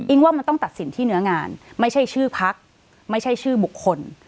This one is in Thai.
ว่ามันต้องตัดสินที่เนื้องานไม่ใช่ชื่อพักไม่ใช่ชื่อบุคคล